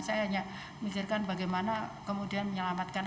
saya hanya mikirkan bagaimana kemudian menyelamatkan